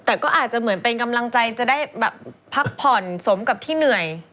แต่ก็อาจจะเหมือนเป็นกำลังใจจะได้แบบพักผ่อนสมกับที่เหนื่อย